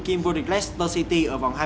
kim vô địch leicester city